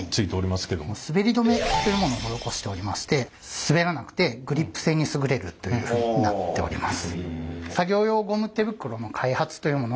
すべり止めというものを施しておりまして滑らなくてグリップ性に優れるというふうになっております。